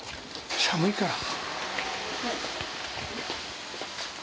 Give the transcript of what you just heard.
寒いから。